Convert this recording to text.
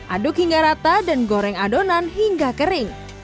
aduk hingga rata dan goreng adonan hingga kering